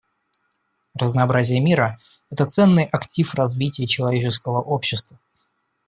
Разнообразие мира — это ценный актив развития человеческого общества.